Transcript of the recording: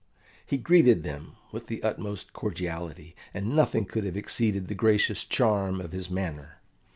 He greeted them with the utmost cordiality, and nothing could have exceeded the gracious charm of his manner.